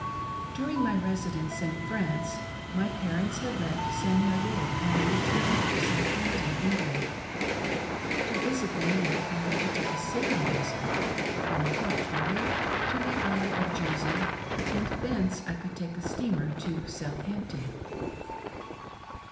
DURING my residence in France, my parents had left St. Heliers and returned to Southampton, England. To visit them now I had to take a sailing vessel from Portrieux to the Isle of Jersey, and thence I could take the steamer to Southampton.